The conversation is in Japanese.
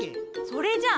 それじゃ。